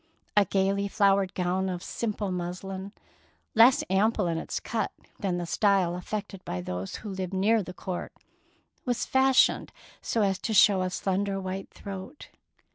A gaily flowered gown of simple muslin, less ample in its cut than the style affected by those who lived nearer the court, was fashioned so as to show a slender white throat.